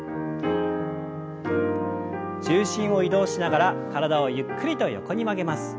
重心を移動しながら体をゆっくりと横に曲げます。